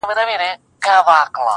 ټول مي په یوه یوه هینده پر سر را واړول,